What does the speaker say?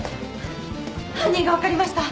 犯人が分かりました。